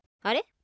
あれ？